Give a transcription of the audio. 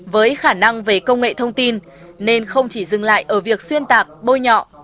với khả năng về công nghệ thông tin nên không chỉ dừng lại ở việc xuyên tạc bôi nhọ